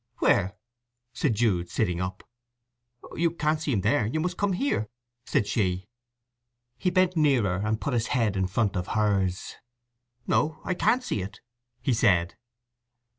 "Where?" said Jude, sitting up. "You can't see him there—you must come here," said she. He bent nearer and put his head in front of hers. "No—I can't see it," he said.